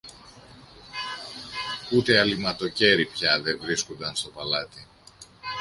ούτε αλειμματοκέρι πια δε βρίσκουνταν στο παλάτι.